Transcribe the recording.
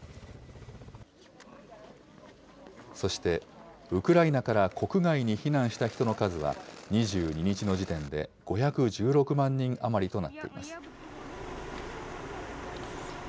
そして、ウクライナから国外に避難した人の数は２２日の時点で５１６万人余りとなっています。